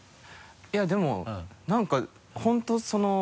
いやでも何か本当その。